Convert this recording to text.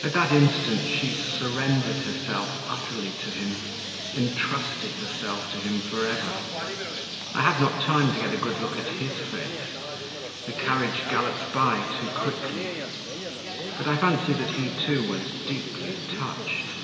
At that instant she surrendered herself utterly to him, intrusted herself to him for ever. I had not time to get a good look at his face the carriage galloped by too quickly, but I fancied that he too was deeply touched.